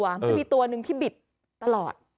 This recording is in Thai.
มันมีตัวหนึ่งที่บิดตลอด